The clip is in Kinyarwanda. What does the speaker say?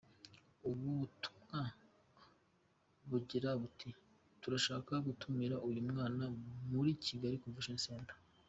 Ubu butumwa bugira buti “Turashaka gutumira uyu mwana muri Kigali Convention Centre.